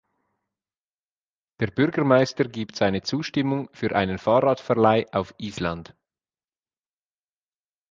Der Bürgermeister gibt seine Zustimmung für einen Fahrradverleih auf Island.